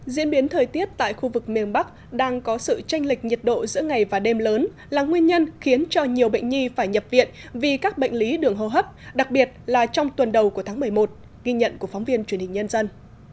diễn biến thời tiết tại khu vực miền bắc đang có sự tranh lệch nhiệt độ giữa ngày và đêm lớn là nguyên nhân khiến cho nhiều bệnh nhi phải nhập viện vì các bệnh lý đường hô hấp đặc biệt là trong tuần đầu của tháng một mươi một ghi nhận của phóng viên truyền hình nhân dân